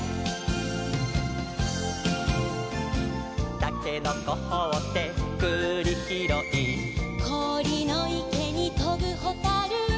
「たけのこほってくりひろい」「こおりのいけにとぶほたる」